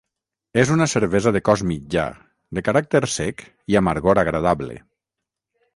És una cervesa de cos mitjà, de caràcter sec i amargor agradable.